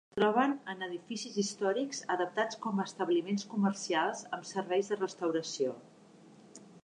Es troben en edificis històrics adaptats com a establiments comercials amb serveis de restauració.